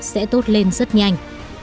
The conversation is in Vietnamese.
sẽ tốt lên rất nhanh